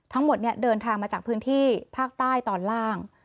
เดินทางมาจากพื้นที่ภาคใต้ตอนล่าง